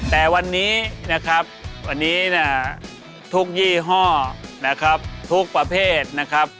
แต่วันนี้นะครับวันนี้เนี่ยทุกยี่ห้อนะครับทุกประเภทนะครับ